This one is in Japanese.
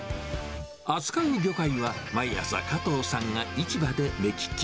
扱う魚介は、毎朝加藤さんが市場で目利き。